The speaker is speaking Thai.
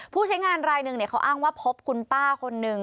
ผู้ใช้งานรายหนึ่งเขาอ้างว่าพบคุณป้าคนนึง